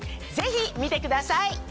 ぜひ見てください。